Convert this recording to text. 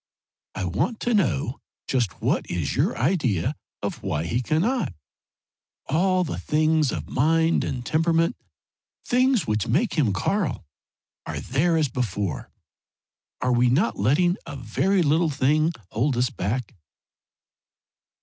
"I want to know just what is your idea of why he cannot. All the things of mind and temperament things which make him Karl are there as before. Are we not letting a very little thing hold us back?"